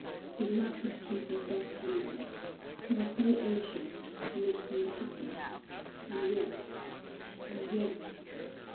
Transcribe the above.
He loved his people so tenderly, he was so anxious to make them happy, and yet and yet!